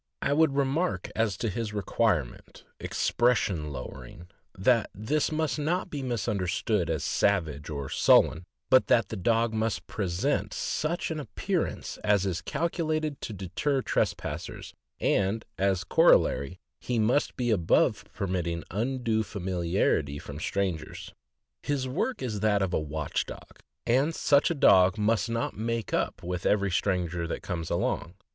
I would remark as to his requirement "expression lowering," that this must not be understood as savage or sullen, but that the dog must present such an appearance as is calculated to deter trespassers, and as a corollary, he must be above permitting undue familiarity from strangers. His work is that of the watch dog, and such a dog must not make up with every stranger that comes along.